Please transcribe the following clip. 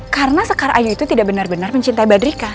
karena scar aja itu tidak benar benar mencintai badrika